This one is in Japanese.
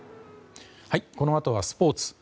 このあとはスポーツ。